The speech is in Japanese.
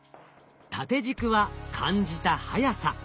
縦軸は感じた速さ。